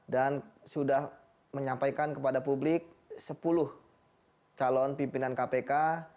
dan sudah menyampaikan kepada publik sepuluh calon pimpinan kpk